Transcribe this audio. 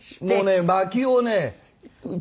もうねまきをね